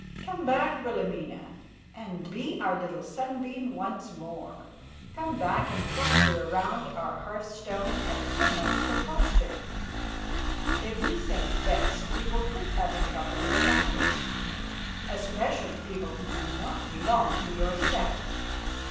Come back, Wilhelmina, and be our little sunbeam once more. Come back and cluster around our hearthstone at so much per cluster. If you think best we will quit having company at the house, especially people who do not belong to your set.